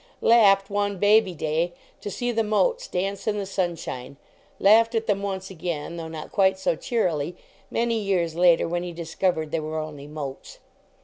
Laughed, one baby day, to see the motes dance in the sunshine. Laughed at them once again, though not quite so cheerily, many years later, when he discovered they were only motes.